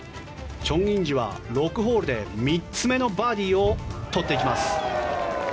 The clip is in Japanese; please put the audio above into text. チョン・インジは６ホールで３つ目のバーディーを取っていきます。